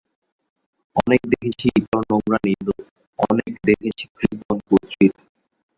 অনেক দেখেছি ইতর নোংরা নিন্দুক, অনেক দেখেছি কৃপণ কুৎসিত।